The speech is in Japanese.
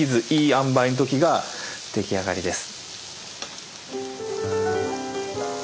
あんばいの時が出来上がりです。